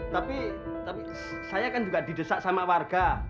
tapi saya kan juga didesak sama warga